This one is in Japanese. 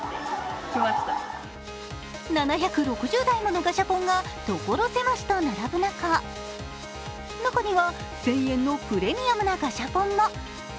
７６０台ものガシャポンが所狭しと並ぶ中、中には１０００円のプレミアムなガシャポンも。